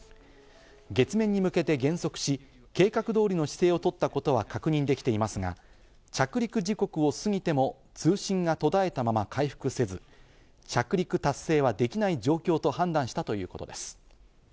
月面に向けて減速し、計画通りの姿勢をとったことは確認できていますが、着陸時刻を過ぎても通信が途絶えたまま回復せず、着陸達成はできない状況と判断したということです。